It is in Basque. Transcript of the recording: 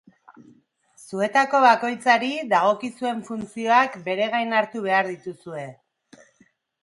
Zuetako bakoitzari dagozkizuen funtzioak bere gain hartu behar dituzue.